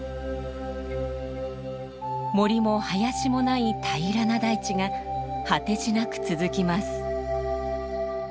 森も林もない平らな大地が果てしなく続きます。